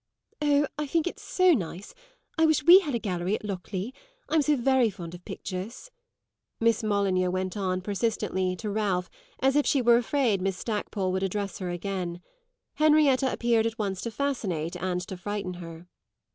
"Oh, I think it's so nice. I wish we had a gallery at Lockleigh. I'm so very fond of pictures," Miss Molyneux went on, persistently, to Ralph, as if she were afraid Miss Stackpole would address her again. Henrietta appeared at once to fascinate and to frighten her.